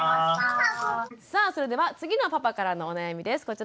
さあそれでは次のパパからのお悩みです。